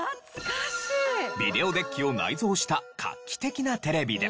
ビデオデッキを内蔵した画期的なテレビで。